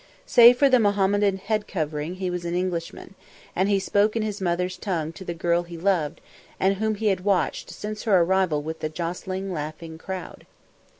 Save for the Mohammedan head covering he was an Englishman, and he spoke in his mother's tongue to the girl he loved and whom he had watched since her arrival with the jostling, laughing crowd.